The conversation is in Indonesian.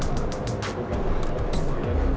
gak ada yang mau ngerti kan